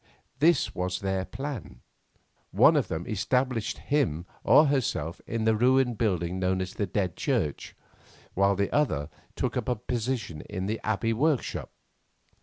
This was their plan. One of them established him or herself in the ruined building known as the Dead Church, while the other took up a position in the Abbey workshop.